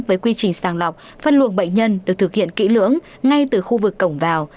với quy trình sàng lọc phân luồng bệnh nhân được thực hiện kỹ lưỡng ngay từ khu vực cổng vào